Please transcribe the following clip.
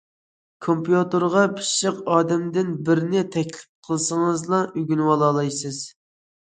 كومپيۇتېرغا پىششىق ئادەمدىن بىرىنى تەكلىپ قىلسىڭىزلا ئۆگىنىۋالالايسىز.